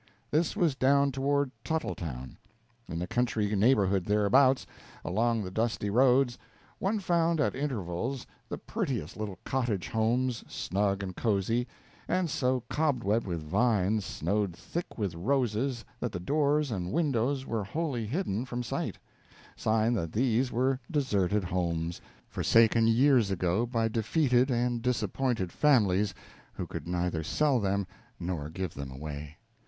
This was down toward Tuttletown. In the country neighborhood thereabouts, along the dusty roads, one found at intervals the prettiest little cottage homes, snug and cozy, and so cobwebbed with vines snowed thick with roses that the doors and windows were wholly hidden from sight sign that these were deserted homes, forsaken years ago by defeated and disappointed families who could neither sell them nor give them away.